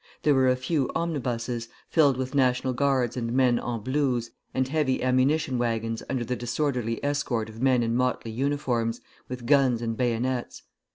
There were a few omnibuses, filled with National Guards and men en blouse, and heavy ammunition wagons under the disorderly escort of men in motley uniforms, with guns and bayonets.